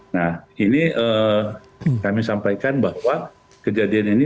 nah ini kami sampaikan bahwa kejadian ini